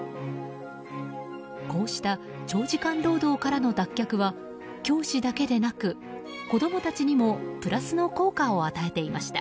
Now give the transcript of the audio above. こうした長時間労働からの脱却は教師だけでなく子供たちにもプラスの効果を与えていました。